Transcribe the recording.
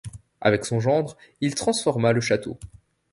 Avec son gendre, il transforma le château.